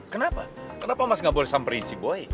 kenapa kenapa mas gak boleh samperin si boy